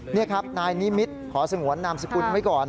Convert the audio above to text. นี่ครับนายนิมิตขอสงวนนามสกุลไว้ก่อน